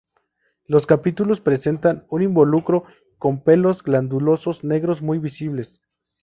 Los capítulos presentan un involucro con pelos glandulosos negros muy visibles.